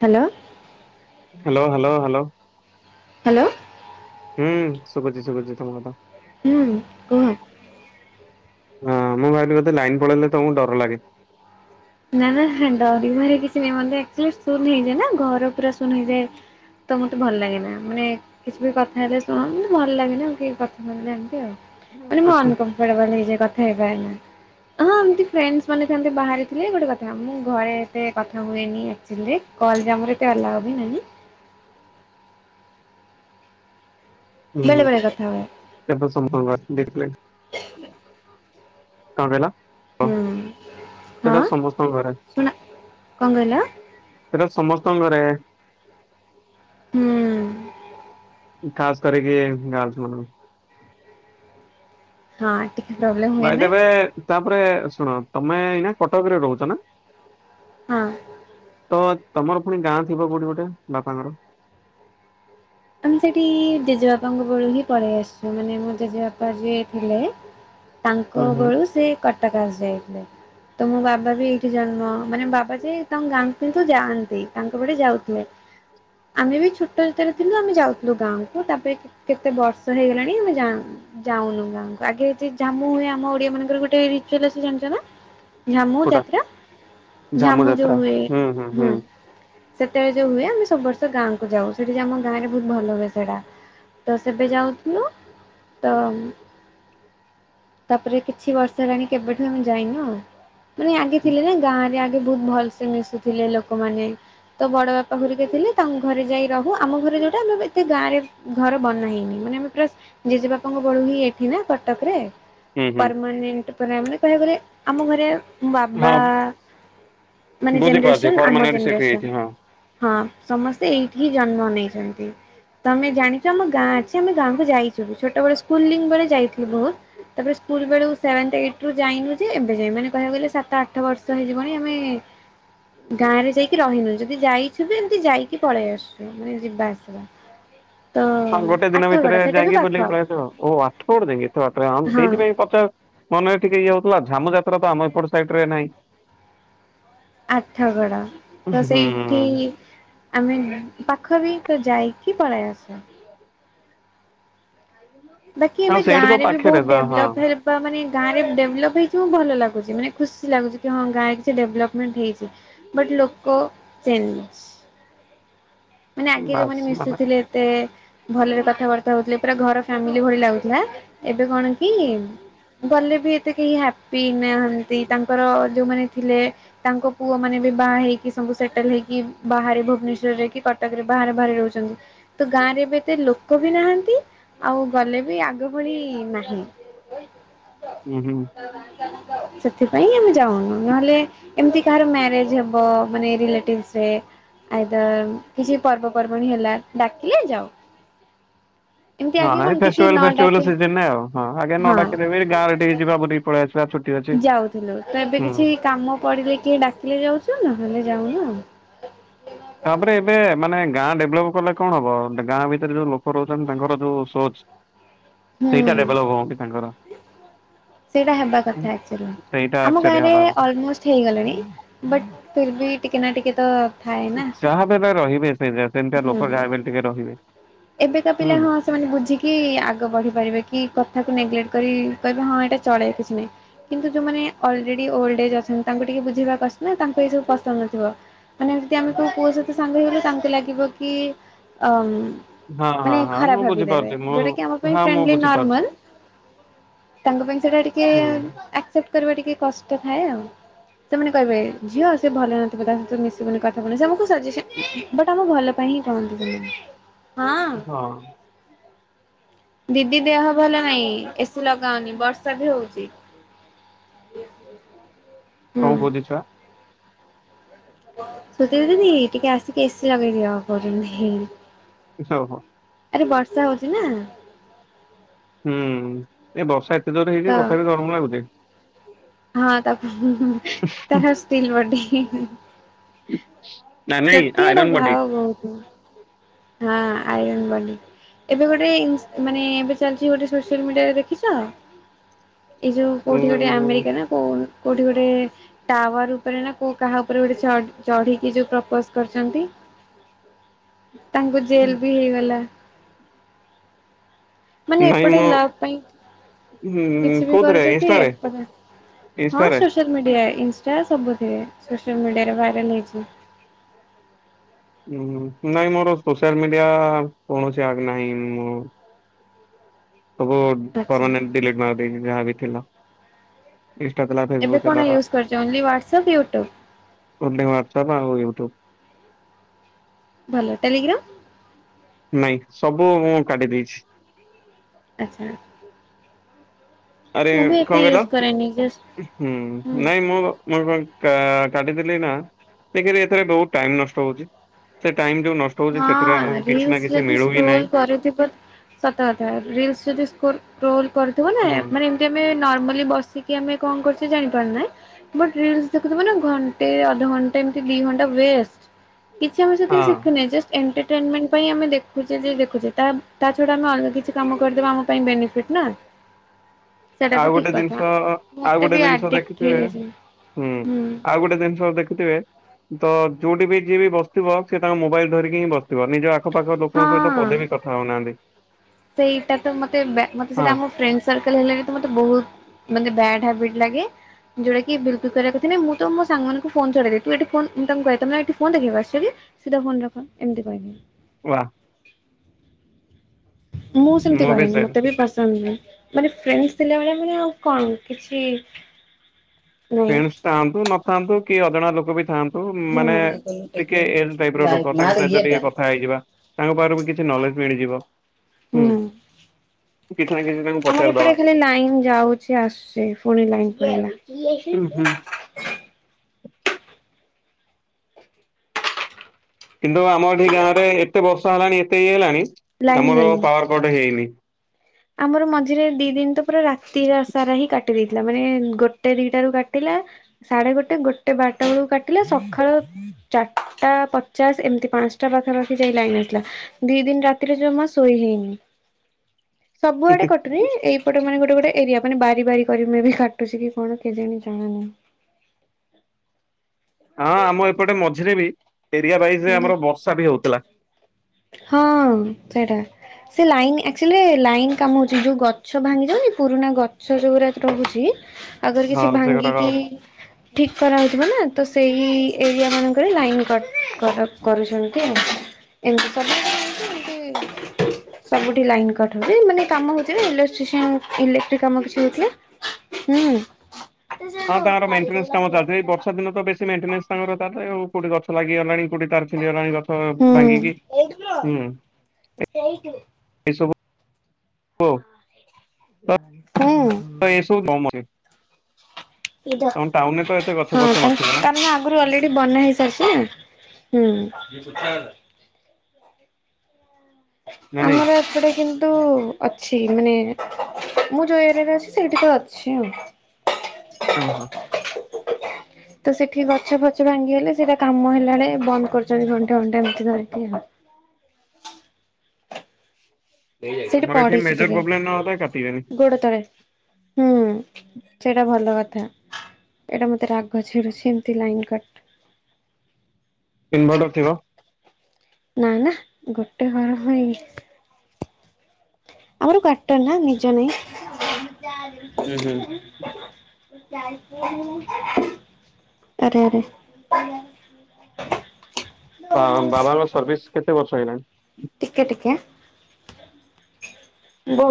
Hello hello hello hello hello ହୁଁ ସୁବୁଛି ଶୁଭୁଛି ତମ କଥା ହୁଁ କୁହ ହଁ ମୁଁ ଭାବିଲି ଲାଇନ ପଳେଇଲେ ତମକୁ ଡର ଲାଗେ ନା ନା ଡରି ବାହାରେ କିଛି ନାହିଁ ମେଚୁ ଶୂନ୍ ହେଇଯାଏ ନା ଘର ପୁରା ଶୂନ ହେଇଯାଏ ତ ମତେ ଭଲ ଲାଗେନା ମାନେ କିଛି ବି କଥା ହେଲେ ଶୁଣନ୍ତି ଭଲ ଲାଗେନି ଆଉ କଥା ମହିଲେ ଏମିତି ଆଉ ମାନେ ମୁ ଆଚ୍ଛା ଅନକମ୍ରଟ ବଲ ହେଇଯଏ କଥା ହେଇବା ହଁ ଏମତି ଫେ ମାନେ ଥାନ୍ତେ ବାହାରେ ଗୋଟେ କଥା ମୁଁ ଘରେ ଏତେ କଥା ହୁଏନି ଆକ୍ଚୁଆଲି କଲଜାମର ଏତେ ଅଲାଓ ବି ନାହିଁ ବେଳେ ବଳେ କଥା ହୁଏ ସେଟ ସମ୍ ଦେଖିଲ କଣ କିଲ ହୁଁ ସେଟା ହଁ। ସମସ୍ତଙ୍କ ଘରେ ଶୁଣ କଣ କହିଲ ସେଇଟା ସମସ୍ତଙ୍କ ଘରେ ହୁଁ ଖାସ କରିକ ଗଛ ମାନୁ ହଁ ଟ ପ୍ରବ୍ମ୍ ଭାଇ ଦେବେ ତାପରେ ଶୁଣ ତମେ ଏଇ କଟକରେ ରହୁଛ ନା ହଁ ତମର ପୁଣି ଗାଁ ଥିବ କୋଉଠି ଗୋଟେ ବାପାଙ୍କର ଆମେ ସେଠି ଜେଜେବାପାଙ୍କ ବେଳୁ ହିଁ ପଳେଇ ଆସିଛୁ ମାନେ ମୋ ଜେଜେବାପା ଯିଏ ଥିଲେ ତାଙ୍କ ହୁଁ ହୁଁ ବେଳୁ ସେ କଟକ ଆସି ଯାଇଥିଲେ ତ ମୋ ବାବା ବି ଏଇଠି ଜନ୍ମ ମାନେ ବାବା ଯେ ତାଙ୍କ ଗାଁ କିନ୍ତୁ ଯାଆନ୍ତି ତାଙ୍କ ପଟେ ଯାଉଥିଲେ ଆମେ ବି ଛୋଟ ଭିତରେ କିନ୍ତୁ ଆମେ ଯାଉଥିଲୁ ଗାଁକୁ ତାପରେ କେତେ ବର୍ଷ ହେଇଗଲାଣି ଆମେ ଯ ଯାଉନୁ ଗାଁକୁ ଆଗେ ଯଦି ଜଝାମୁ ହୁଏ ଆମ ଓଡିଆ ମାନଙ୍କର ଗୋଟେ ରଚୁଲ ଜାଣିଛ ନା ଝାମୁ କୋଉଟା ଯାତ୍ରା ଝାମୁ ଯୋଉ ହୁଏ ହୁଁ ସେତବେଳେ ଯଉ ହୁଏ ଆମ ସବୁ ବର୍ଷ ଗାଁକୁ ଯାଉ ସେଠି ଆମ ଗାଁରେ ବହୁତ ଭଲ ହୁଏ ସେଇଟା ତ ସେବେ ଯାଉଥିଲୁ ତ ତାପରେ କିଛି ବର୍ଷ ହେଲାଣି କେବେଠୁ ଆମେ ଯାଇନ ମାନେ ଆଗେ ଥିଲେ ନା ଗାଁରେ ଆଗେ ବହୁତ ଭଲସେ ମିଶୁଥିଲେ ଲୋକମାନେ ତୋ ବଡ ବାପା ଘରିକେ ଥିଲେ ତାଙ୍କୁ ଘରେ ଯାଇ ରହୁ ଆମ ଘରେ ଯେଉଁଟା ଆମେ ଏତେ ଗାଁରେ ଘର ବନା ହେଇନି ମାନେ ଆମେ ପ୍ରା ଜେଜେ ବାପାଙ୍କ ବଡ ହିଁ ଏଠି ନା କଟକ ରେ ହୁଁ ହୁଁ ପରମାନେଣ୍ଟ ଆମେ କହିବାକୁ ଗଲେ ଆମ ଘରେ ମ ବାବା ହଁ ମାନେ ବୁଝିପାରୁଛି ଜେନେରେସନ୍ ଆମ ପରମାନେଣ୍ଟ ସେଠି ହେଇଛି ଜେନେରେସନ୍ ହଁ। ହଁ ସମସ୍ତେ ଏଇଠି ହିଁ ଜନ୍ମ ନେଇଛନ୍ତି। ତମେ ଜାଣିଛ ଆମ ଗାଁ ଅଛି ଆମେ ଗାଁକୁ ଯାଇଛୁ ଛୋଟ ବେଳେ ସ୍କୁଲିଙ୍ଗ ବଳେ ଯାଇଥିଲୁ ବହୁତ। ତାପରେ ସ୍କୁଲ ବେଳକୁ ସେଭନ୍ଥ ଏଇଟୁ ଯାଇନୁ ଯେ ଏବେ ଯାଇ ମାନେ କହିବାକୁ ଗଲେ ସାତ ଆଠ ବର୍ଷ ହେଇଯିବଣି ଆମେ ଗାଁ ରେ ଯାଇକି ରହିନୁ ଯଦି ଯାଇଥିବେ ଏମିତି ଯାଇକି ପଳେଇ ଆସୁ। ମାନେ ଯିବା ଆସିବା। ତ ହଁ ଗୋଟେ ଦିନ ଆଠଗଡ ଭିତରେ ସେଇଟା ବି ଯାଇକି ପାଖ ବୁଲିକି ପଳେଇ ଆସୁ ଆଉ ଓ ଆଠଗଡ଼ ଯାଇକି ଏତେ ବାଟ ହଁ ସେଇଥିପାଇଁ ପଛ ମନରେ ଟିକେ ଇଏ ହଉଥିଲା ଝାମୁ ଯାତ୍ରା ତ ଆମ ଏପଟ ସାଇଟରେ ନାହିଁ। ଆଠଗଡ ତ ହୁଁ ସେଇଠି ଆମେ ନୁହଁ ପାଖ ବି ତ ଯାଇକି ପଳାଇ ଆସୁ। ବାକି ଆଉ ଏବେ ସେଇଠି ଗାଁ ତ ରେ ବି ପାଖରେ ବହୁତ ତ ହଁ ଡେଭଲପ ହେଲେ ବା ମାନେ ଗାଁରେ ଡେଭେଲପ ହେଇଛି ମୁଁ ଭଲ ଲାଗୁଛି ମାନେ ଖୁସି ଲାଗୁଛି କି ହଁ ଗାଁରେ କିଛି ଡେଭଲପମେଣ୍ଟ ହେଇଛି। ବଟ୍ ଲୋକ [unintelligible] ଲେସ। ମାନେ ଆଗେ ବାସ୍ ଯୋଉମାନେ ମାନେ ମିଶୁଥିଲେ ଏତେ ଭଲରେ କଥାବାର୍ତ୍ତା ହଉଥିଲେ ପୁରା ଘର ଫ୍ୟାମିଲି ଭଳି ଲାଗୁଥିଲା। ଏବେ କଣ କି ଗଲେ ବି ଏତେ କେହି ହାପି ନାହାନ୍ତି ତାଙ୍କର ଯୋଉମାନେ ଥିଲେ। ତାଙ୍କ ପୁଅ ମାନେ ବି ବାହା ହେଇକି ସୁ ସେଟଲ ହେଇକି ବାହାରେ ଭୁବନେଶ୍ଵରରେ କି କଟ କରେ ବାହାରେ ବାହାରେ ରହୁଛନ୍ତି। ତ ଗାଁରେ ଏବେ ଏତେ ଲୋକ ବି ନାହାନ୍ତି ଆଉ ଗଲେ ବି ଆଗ ଭଳି ନାହିଁ। [inaudible] ଉହୁଁ। ସେଥିପାଇଁ ଆମେ ଯାଉନୁ ନହେଲେ ଏମିତି କାହାର ମ୍ୟାରେଜ ହବ ମାନେ ରିଲେଟିଭସରେ ଆଇଦର କିଛି ପର୍ବପର୍ବଣି ହେଲା ଡାକିଲେ ଯାଉ। ଏମିତି ନହେଲେ ଆଗେ ନାଇଁ କଣ କିଛି ନ ଫେଷ୍ଟିଭାଲ ଫେଷ୍ଟିଭଲ ଡାକେ ସିଜନରେ ଆଉ ହଁ ଆଜ୍ଞା ନଡାକିଲେ ହଁ ବି ଗାଁରେ ଟିକେ ଯିବା ବ ଟିକ ପଳଆସିବା ଛୁ ଯାଉଥିଲୁ ତ ଏବେ କିଛି କାମ ପଡିଲେ କିଏ ଡାକିଲେ ଯାଉଛୁ ନା ହେଲେ ଯାଉନ ଆଉ। ତାପରେ ଏବେ ମାନେ ଗାଁ ଡେଭଲପ କଲେ କଣ ହବ ଗାଁ ଭିତରେ ଯୋଉ ଲୋକ ରହୁଛନ୍ତି ତାଙ୍କର ଯୋଉ ସୋଚ ହୁଁ ସେଇତା ଡେଭଳପ ହଉନି ତାଙ୍କର। ସେଇଟା ହେବା କଥା ଆକ୍ଚୁଲି ସେଇଟା ଆମ ଆକ୍ଚୁଆଲି ଗାଁରେ ହବା କଥା ଅଲମୋଷ୍ଟ ହେଇଗଲେଣି ବଟ୍ ଫେର୍ ବି ଟିକେ ନା ଟିକେ ତ ଥାଏ ନା ଯାହା ହେଲେ ରହିବେ ସେଇ ସେମିତିଆ ଲୋକ ହୁଁ। ଯାହାବି ହେଲେ ଟିକେ ରହିବେ। ଏବେକା ପିଲା ହୁଁ। ହଁ ଆସ ସେମାନେ ବୁଝିକି ଆଗ ବଢ଼ି ପାରିବେ କି କଥାକୁ ନେଗଲେକ୍ଟ କରି କହିବେ ହଁ ଏଇଟା ଚଳେଇ କିଛି ନାହିଁ। କିନ୍ତୁ ଯୋଉମାନେ ଅଲରେଡି ଓଲଡ ଏଜ୍ ଅଛନ୍ତି ତାଙ୍କୁ ଟିକେ ବୁଝେଇବା କଥା ନା ତାଙ୍କୁ ଏଇ ସବୁ ପସନ୍ଦ ନଥିବ। ମାନେ ଯଦି ଆମକୁ କେଉ ପୁଅ ସହିତ ସାଙ୍ଗରେ ହେଲୁ ତାଙ୍କୁ ଲାଗିବ କି ଅ ଉ ହଁ ହଁ ମାନେ ହଁ ଖରାପ ମୁଁ ଭାବି ଦେବେ ବୁଝିପାରୁଛି ମୁଁ ଯୋଉଟା କି ଆମ ପାଇଁ ହଁ ମୁଁ ଫ୍ରେଣ୍ଡଲି ବୁଝିପାରୁଛି ନର୍ମାଲ ତାଙ୍କ ପାଇଁ ସେଟା ଟିକେ ହୁଁ। ଆକ୍ସେପ୍ଟ କରିବା ଟିକେ କଷ୍ଟ ଥାଏ ଆଉ। ସେମାନେ କହିବେ ଝିଅ ସେ ଭଲ ନଥିବ ତା ସହିତ ମିଶିବୁନି କଥା ହବୁନି ସେ ଆମକୁ ସଜେସନ ବଟ ଆମ ଭଲ ପାଇଁ ହିଁ କହନ୍ତି ସେମାନେ ହଁ। ଦିଦି ଦେହ ଭଲ ନାହିଁ ଏସି ଲଗାଅନି ବର୍ଷା ବି ହଉଛି। କଣ ହୁଁ କହୁଛି ଛୁଆ? ସଚେଇଦିଦି ଟିକେ ଆସିକି ଏସିି ଲଗେଇଦିଅ କହୁଛନ୍ତି। ହ ହ। ଆରେ ବର୍ଷା ହଉଛି ନା। ହୁଁ ଏ ବର୍ଷା ଏତେ ଜୋର ତ ହେଇକି ତଥାପି ଗରମ ଲାଗୁଛିି। ହଁ ତାକୁ ତାର ଷ୍ଟିଲ ବଡି। ନା ନାଇଁ ଛୋଟିଆ ଟା ଆଇରନ୍ ବଡି। ଭାଉ ବହୁତ ହଁ ଆଇରନ ବଡି। ଏବେ ଗୋଟେ ଇଶ୍ନ ମାନେ ଏବେ ଚାଲିଛି ଗୋଟେ ସୋସିଆଲ ମିଡିଆରେ ଦେଖିଛ? ଏଇ ଯୋଉ କୋଉଠି ଗୋଟେ ଆମେରିକା ନା କୋଉ କୋଉଠି ଗୋଟେ ଟାୱାର୍---ଉପରେ ନା କାହା ଉପରେ ଗୋଟେ ଚଢ଼ିକି ଯଉ ପ୍ରପଜ୍‌ କର୍ ଚନ୍ତି। ତାଙ୍କୁ ଜେଲ୍‌ ବି ହେଇଗଲା। ମାନେ ନାଇଁ ଏପଟେ ମୁଁ ଲା ପାଇଁ। ହୁଁ କିଛି ବି କୋଉଥିରେ କରୁଚନ୍ତି। ଇନଷ୍ଟାରେ ଇନଷ୍ଟାରେ? ସୋସିଆଲ୍ ମିଡ଼ିଆ, ଇନ୍‌ଷ୍ଟା ସବୁଥିରେ ସୋସିଆଲ୍ ମିଡ଼ିଆରେ ଭାଇରାଲ୍ ହେଇଚି। ନାଇଁ ମୋର ସୋସି--ଲ୍ ମିଡ଼ିଆ କୌଣସି ଆ ନାହିଁ। ସବୁ ଆଚ୍ଛା ପରମାନେଣ୍ଟ୍ ଡ଼ିଲେଟ୍ ମାର୍ ଦେଇଚି ଯାହାବି ଥିଲା। ଇ--ଷ୍ଟା ଥିଲା ଏବେ ଫେସବୁକ୍ ଥିଲା କ'ଣ ଇୟୁସ୍‌ କ--ଚ? Only WhatsApp, YouTube. ଓନ୍‌ଲି ସପ ଆଉ ୟୁଟୁବ୍। [inaudible] ନାଇଁ, ସବୁ ମୁଁ କାଟିି ଦେଇଛି। [inaudible] [inaudible] ମୁଁ ବି ଏତେ ୟୁଜ୍ କାଟିଦେଲି କରେନି ଜଷ୍ଟ ହୁଁ। ନା, ଦେଖିଲି ଏଥେରେ ବହୁତ୍ ଟାଇମ୍ ନଷ୍ଟ ହଉଚି। ସେ ଟାଇମ୍ ଯଉ ନ ହଁ, ରିଲ୍ସ୍‌ ଯଦି ସ୍କ୍ରୋ ନାହିଁ। କରୁଥିବ। ସତ କଥା, ରିଲ୍ସ୍ ଯଦି କ୍ରୋଲ୍ କରିଥିବ ନା। ହୁଁ ମାନେ ତେ ନର୍ମାଲି ବସିକି ଆମେ ଙ୍କ କରୁଚେ ଜାଣି ପାରୁନେ। ବଟ୍ ରିଲ୍ସ୍ ଦେଖୁଥିବ ନା, ଘଣ୍ଟେ ଅଧ ଘଣ୍ଟେ ଏମ୍ତି ଦି ଘଣ୍ଟା ୱେଷ୍ଟ୍। କିଛି ଆମେ ସେଥି ହଁ ନାଇଁ ଜଷ୍ଟ୍ ଏଣ୍ଟେଟେନ୍‌ମେଣ୍ଟ୍ ପାଇଁ ଆମେ ଦେଖୁଚେ ଯେ ଦେଖୁଚେ, ତା ଛଡ଼ା ଆମେ ଅନ୍ୟ କିଛି କାମ କରିଦେବା। ଆମ ପାଇଁ ବେନିଫି [inaudible] ଆଉ ଗୋଟେ ଦିନ୍‌ଷ ଆଉ ଗୋଟେ ଦିନ୍‌ଷ ଦେଖି ଆଡିକ୍ଟ ଥିବେ। ହେଇଯାଇଛି ହୁଁ, ଆଉ ଗୋଟେ ଦିନ୍‌ଷ ଦେଖିଥିବେ। ତ ଯଉଠି ବି ଯିଏ ବି ବସ୍‌ଥିବ, ସିଏ ତାଙ୍କ ମୋବାଇଲ୍ ଧରିକି ହିଁ ବସ୍‌ଥିବ। ନିଜ ଆଖପାଖ ଲୋକଙ୍କ ସେଇତ ହଁ। ପଦେ ବି କଥା ହଉ ନାଆନ୍ତି। [inaudible] ମତେ ହଁ ବହୁତ୍ ମାନେ ବ୍ୟାଡ୍‌ ହାବିଟ୍ ଲାଗେ। ଯଉଟା କି ବି--କୁଲ୍ କରିବା କଥା ନାଇଁ, ମୁଁ ତ ମୋ ସାଙ୍ଗମାନଙ୍କୁ ଫୋନ୍‌ ଛଡ଼େଇ। ତୁ ଫୋନ୍‌ ମୁଁ ତାଙ୍କୁ କହେ ତମେ ଏଠି ଫୋନ୍ ଦେଖିବାକୁ ଆସ୍‌ଚ କି? ସିଦା ଫୋନ୍‌ ରଖ। ଏମ୍ତି [inaudible] ମୁଁ ସେମ୍ତି କରେନି, ମତେ ବି ପସନ୍ଦ୍ ନୁଏଁ। [inaudible] ତାଆନ୍ତୁ ନଥାନ୍ତୁ, କି ଅଜଣା ଲୋକ ବି ଥା ମାନେ, ହୁଁ। ଟିକେ ଏଲ୍‌ ଟାଇପ୍ ର ଲୋକ ତାଙ୍କ ସ--ତ ଟିକେ କଥା ହେଇଯିବା। ତାଙ୍କ ପାଖ କିଛି ନଲେଜ୍‌ ମିଳିଯିବ। ହୁଁ, କିଛି ନା କିଛି ତାଙ୍କୁ ଆମର ପଚାରିଦବା। ଏପଟେ ଖାଲି ନାଇନ୍‌ ଯାଉ [inaudible] ହୁଁ ହୁଁ କିନ୍ତୁ ଆମ ଗାଁ ରେ ଏତେ ବର୍ଷା ହେଲାଣି, ଏତେ ଇଏ ହେଲାଣି ଲାଇନ ଆମର ଯାଇନି। ପାୱାର୍ କଟ ହେଇନି। ଆମର ମଝିରେ ଦିଦିନ୍‌ ତ ପୁରା ରାତି ସାରା ହିଁ କାଟି ଦେଇଥିଲା, ମାନେ ଗୋଟେ ଦିଟା ରୁ କାଟିଲା। ସାଢ଼େ ଗୋଟେ ଗୋଟେ ବାର୍ଟା ଳକୁ କାଟିଲା। ସ ଚାର୍ଟା ପଚାଶ୍ ଏମ୍ତି ପାନ୍‌ଷ୍ଟା ପାଖାପାଖି ଯାଇ ଲାଇନ୍‌ ଆସ୍‌ଲା। ଦି ଦିନ୍‌ ରାତିରେ ଜମା ଶୋଇ ହେଇନି। ସବୁ ଆଡ଼େ ହୁଁ କ ଏଇପଟେ ମାନେ ଗୋଟେ ଗୋଟେ ଏରିଆ। ମାନେ ବାରି ବାରି କରି ମେ ବି କାଟୁଚି କି କଣ, କେଜାଣି ଜଣା ନାହିଁ। ହଁ, ଆମ ଏପଟେ ମଝିରେ ବି ଏରିଆ ବାଇଜ୍‌ରେ ଆମର ହେଲା। ବର୍ଷା ବି ହଉଥିଲା। [inaudible] ସେ ଲାଇନ୍ ଆ---ଲି ରେ ଲାଇନ୍‌ କାମ ହଉଚି, ଯଉ ଗଛ ଭାଙ୍ଗି ଯାଉନି, ପୁରୁଣା ଗଛ ଯଉରା ରହୁଚି। ହଁ ସେ କଥା କହ। [inaudible] ଠିକ୍ କରା ହଉଥିବ ନା, ତ ସେଇ ଏରିଆ ମାନଙ୍କରେ ଲାଇନ୍ କଟ୍ କରୁଚନ୍ତି ଆଉ। [unintelligible] ସବୁଠି ଲାଇନ କଟ ହଉ ମାନେ କାମ ହଉଚିନା ଇଲେଟାମ କିଛିହଉଥିଲା। ହୁଁ ହଁ ତାଙ୍କର ମଣ୍ଟେନନ୍ସ କାମ ଚାଲିଛିଇ ବର୍ଷା ଦିନ ତ ବେଶୀ ମଣ୍ଟେନନ୍ସ ତାଙ୍କର ଚାଲେ ଆଉ କୋଉଠି ଗଛ ଲାଗିଗଲାଣି କୋଠି ତାର ଛିଡିଗଲାଣି ରଥ ହୁଁ ଭାଙ୍ଗିକି ହୁଁ ଏ ସବୁ ଓ ହୁଁ କୁ କ ମରେ ଏଜା ତ ଏତେ ଗଛ [inaudible] ଫଛ ନଥିବ ନା [unintelligible] ଆଗରୁ ଅଲେଡି ବନା ହେଇସାରିଚି ନା ହୁଁ ନା ନାଇଁ ଆମର ଏପଟେ କିନ୍ତୁ ଅଛି ମାନେ ମୁଁ ଯୋଉ ଏରିଆରେ ଅଛି ସେଇଠି ତ ଅଛି ଆଉ। ଓ ହୋ ତ ସେଠି ଗଛ ଫଛ ଭାଙ୍ଗିଗଲେ ସେଇଟା କାମ ହେଲା ଆଳେ ବନ୍ଦ କରଚନ୍ତି ଘଣ୍ଟା ଘଣ୍ଟେ ଏମିତି ଧରିକି ଆଉ। ସେଇଠି ଆମର ଏଠି ପଢିଚି ମେଜର ଟିକେ ପ୍ରୋବ୍ଲେମ ନହଲେ କାଟିବେନି ଗୋଡ ତଳେ ହୁଁ ସେଇଟା ଭଲ କଥା ଏଟା ମତେ ରାଗ ଛିଡୁଛି ଏମିତି ଲାଇନ୍ କଟ ଇନଭର୍ଟର ଥିବ? ନା ନା ଗୋଟେ ଘର ପାଇଁ ଆମର କୁଆଟର ନା ନିଜ ନାଇଁ। ହୁଁ-ହୁଁ ଆରେ ଆରେ [inaudible] ବା ବାବାଙ୍କ ସର୍ଭିସ କେତେ ବର୍ଷ ହେଇଗଲାଣି? ଟିକେ ଟିକେ ବୋ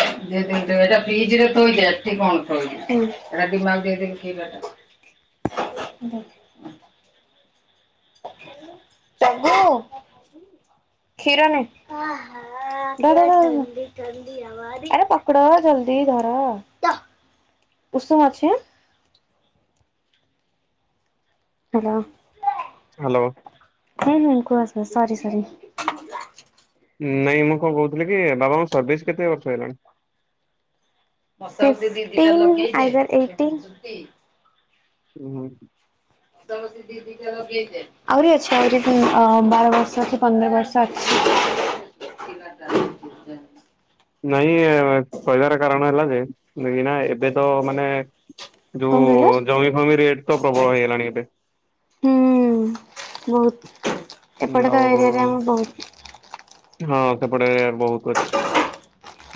[inaudible] ଫିଜିରେ ଥୋଇଦେ ଏଠି କଣ ଥୋଉଚୁ ହୁଁ [unintelligible] ହୁଁ। ପ୍ରଭୁ କ୍ଷୀର ନେ ଧ ଧ ଆରେ ପତ୍ର ଜଲଦି ଧର ତ ଉଷୁମ୍ ଅଛି ଆଁ ହ୍ୟାଲୋ ହ୍ୟାଲୋ ହୁଁ-ହୁଁ କୁହ କୁହ ସରି ସରି ନାଇଁ ମୁଁ କଣ କହୁଥିଲି କି ବାବା ସର୍ଭିସ୍ କେତେ ବର୍ଷ ହେଲାଣି? ଫିଂଟିଏଇଦର ଏଇଟି ହୁଁ ସେଇଟା ଲଗେଇ ଦେ ଆହୁରି ଅଛି ଆହୁରି ଅ ବାର ବର୍ଷ କି ପନ୍ଦର ବର୍ଷ ଅଛି। ନାଇଁ କହିବାର କାରଣ ହେଲା ଯେ କାହିଁକି ନା ଏବେ ତ ମାନେ କଣ କହିଲ? ଯୋଉଁ ଜମିଫମି ରେଟ୍ ତ ପ୍ରବଳ ହେଇଗଲାଣି ଏବେ। ହୁଁ ବହୁତ ଏପଟେ ଆଉ ତ ଏରିଆରେ ଆମେ ବହୁତ। ହଁ ସେପଟେ ବହୁତ ଅଛି।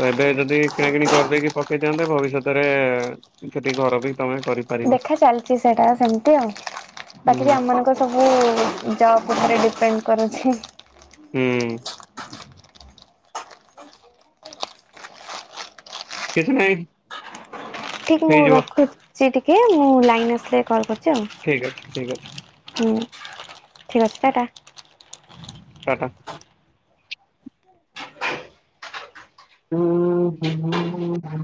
ତ ଏବେ ଯଦି କିଣାକିଣି କରିଦେଇକି ପକେଇଦିଅନ୍ତ ଭବିଷ୍ୟତରେ ସେଠି ଘର ବି ତମେ କରିପାରିବ। ଦେଖା ଚାଲିଛି ସେଟା ସେମତି ଆଉ ହୁଁ ବାକି ହୁଁ ଆମ ମାନଙ୍କର ସବୁ ଜବ୍ ଉପରେ ଡିପେଣ୍ଡ କରୁଛି। ହୁଁ। କିଛି ନାଇଁ। ଠିକ୍ ମୁଁ ରଖୁଚି ଟିକିଏ ମୁଁ ଲାଇନ୍ ଆସିଲେ କଲ୍ କରୁଛି। ଆଉ ଠିକ୍ ଅଛି ଠିକ୍ ଅଛି। ହୁଁ ଠିକ୍ ଅଛି ଟା ଟା। ଟା ଟା। ହୁଁ [unintelligible]